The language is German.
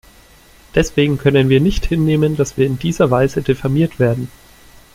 Deswegen können wir nicht hinnehmen, dass wir in dieser Weise diffamiert werden.